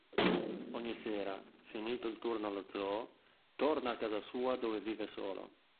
Ogni sera, finito il turno allo zoo, torna a casa sua dove vive solo.